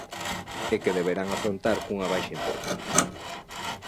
E que deberán afrontar cunha baixa importante.